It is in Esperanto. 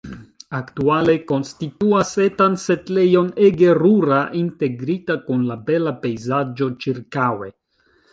Aktuale konstituas etan setlejon ege rura, integrita kun la bela pejzaĝo ĉirkaŭe.